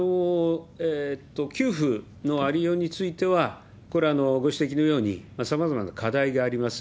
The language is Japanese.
給付のありようについては、これはご指摘のようにさまざまな課題があります。